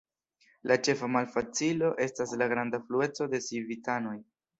La ĉefa malfacilo estas la granda flueco de civitanoj.